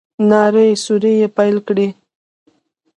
نارې سورې يې پيل کړې.